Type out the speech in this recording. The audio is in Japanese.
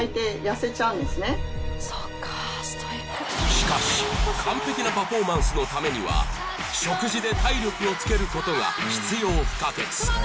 しかし完璧なパフォーマンスのためには食事で体力をつけることが必要不可欠